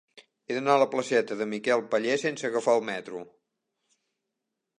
He d'anar a la placeta de Miquel Pallés sense agafar el metro.